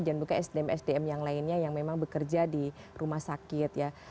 dan bukan sdm sdm yang lainnya yang memang bekerja di rumah sakit